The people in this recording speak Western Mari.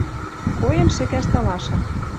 Коэм шӹкӓш талаша